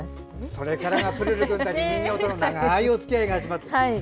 それからプルルくんたち人形との長いおつきあいが始まったんですね。